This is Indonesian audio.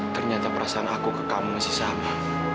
ternyata perasaan aku ke kamu masih sama